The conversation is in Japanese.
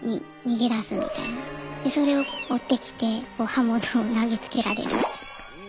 でそれを追ってきてこう刃物を投げつけられるっていう。